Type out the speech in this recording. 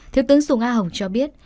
thiếu tướng sùng a hồng cho biết